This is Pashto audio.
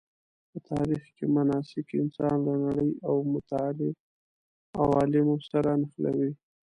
په تاریخ کې مناسک انسان له نړۍ او متعالي عوالمو سره نښلوي.